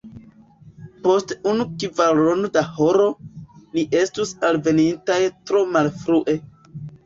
Post unu kvarono da horo, ni estus alvenintaj tro malfrue.